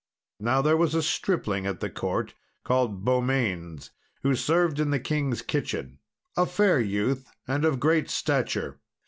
Now, there was a stripling at the court called Beaumains, who served in the king's kitchen, a fair youth and of great stature.